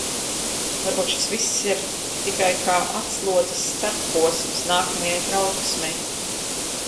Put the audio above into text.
Varbūt šis viss ir tikai kā atslodzes starpposms nākamajai trauksmei.